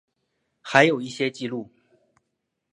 还有一些记录